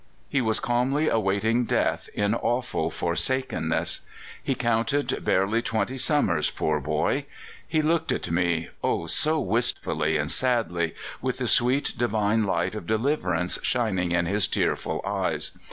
He was calmly awaiting death in awful forsakenness. He counted barely twenty summers, poor boy! He looked at me, oh! so wistfully and sadly, with the sweet, divine light of deliverance shining in his tearful eyes.